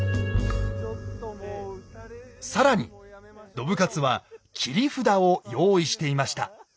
更に信雄は切り札を用意していました。